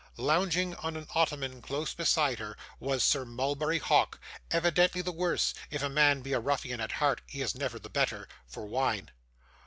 Lounging on an ottoman close beside her, was Sir Mulberry Hawk, evidently the worse if a man be a ruffian at heart, he is never the better for wine.